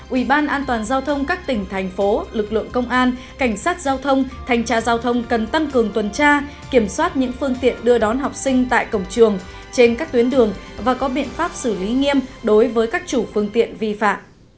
ubnd các tỉnh thành phố lực lượng công an cảnh sát giao thông thành trà giao thông cần tăng cường tuần tra kiểm soát những phương tiện đưa đón học sinh tại cổng trường trên các tuyến đường và có biện pháp xử lý nghiêm đối với các chủ phương tiện vi phạm